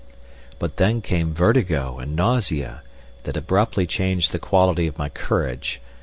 But then came vertigo and nausea that abruptly changed the quality of my courage.